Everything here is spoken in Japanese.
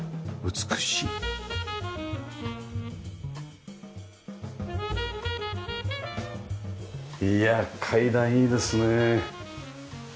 美しいいや階段いいですね。